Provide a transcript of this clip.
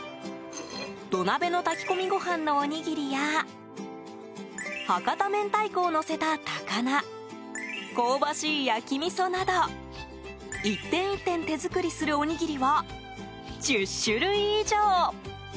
土鍋の炊き込みごはんのおにぎりや博多明太子をのせた高菜香ばしい焼きみそなど１点１点、手作りするおにぎりは１０種類以上。